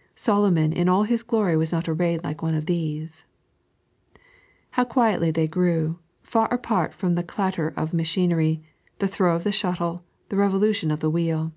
" Solomon in ail his glory was not arrayed like one of these." How quietly they grew, far apart from the clatter of machinery, the throw of the shuttle, the revolution of the wheel